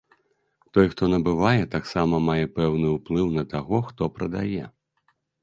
Той, хто набывае, таксама мае пэўны ўплыў на таго, хто прадае.